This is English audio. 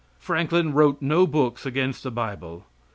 Franklin wrote no books against the bible.